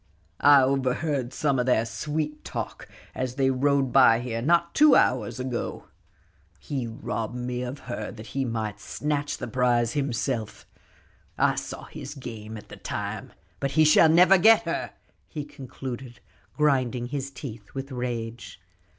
"I overheard some o' their sweet talk as they rode by here not two hours ago. He robbed me of her that he might snatch the prize himself; I saw his game at the time. But he shall never get her," he concluded, grinding his teeth with rage.